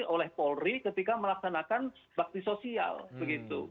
oleh polri ketika melaksanakan bakti sosial begitu